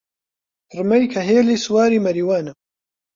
پڕمەی کەحێلی سواری مەریوانە